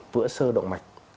vữa sơ động mạch